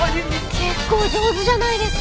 結構上手じゃないですか！